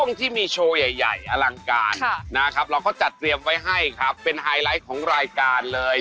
อ๋อนี่แหละน้ำตาเลยอ๋อนี่แหละน้ำตาเลย